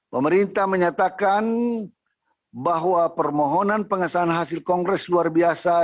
pemerintah menyatakan bahwa permohonan pengesahan hasil kongres luar biasa